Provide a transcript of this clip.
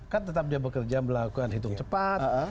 kan tetap dia bekerja melakukan hitung cepat